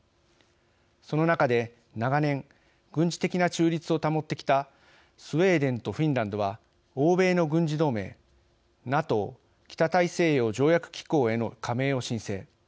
その中で、長年軍事的な中立を保ってきたスウェーデンとフィンランドは欧米の軍事同盟ＮＡＴＯ＝北大西洋条約機構への加盟を申請。